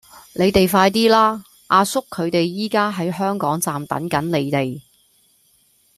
你哋快啲啦!阿叔佢哋而家喺香港站等緊你哋